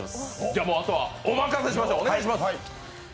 じゃあとはもうお任せしましょう、お願いします。